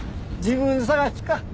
自分探しか？